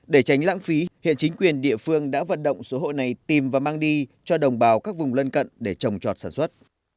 để tránh lãng phí hiện chính quyền địa phương đã vận động số hộ này tìm và mang đi cho đồng bào các vùng lân cận để trồng trọt sản xuất